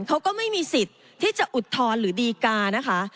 เขาก็ไม่มีสิทธิ์ที่จะอุทธรณ์หรือดีกานะคะ